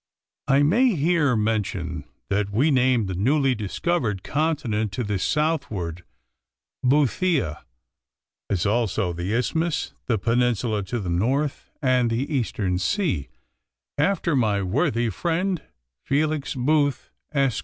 I may here mention that we named the newly discovered continent to the southward "Boothia," as also the isthmus, the peninsula to the north, and the eastern sea, after my worthy friend, Felix Booth, Esq.